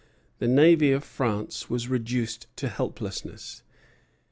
The navy of France was reduced to helplessness.